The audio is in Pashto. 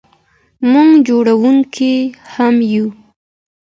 موږ جوړونکي هم یو.